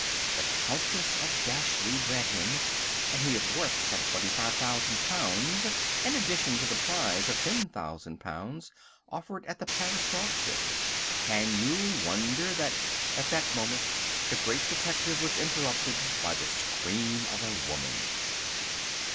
The Countess of Dashleigh bred him, and he is worth some £25,000 in addition to the prize of £10,000 offered at the Paris dog show. Can you wonder that—" At that moment the Great Detective was interrupted by the scream of a woman.